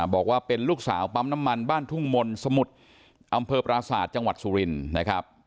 บอกว่าเป็นลูกสาวปั๊มน้ำมันบ้านทุ่งมนต์สมุทรอำเภอปราศาสตร์จังหวัดสุรินนะครับ